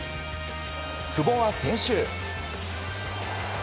久保は先週。